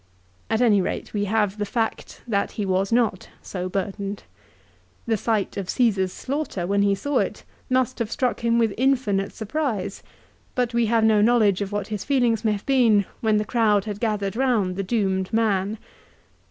At any rate we have the fact that he was not so burdened. The sight of Caesar's slaughter, when he saw it, must have struck him with infinite surprise, but we have no knowledge of what his feelings may have been when the crowd had gathered round the doomed man.